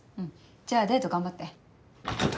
じゃあデート頑張って。